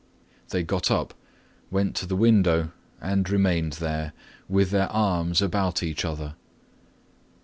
They got up, went to the window, and remained there, with their arms about each other.